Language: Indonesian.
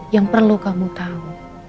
yang perlu kamu tahu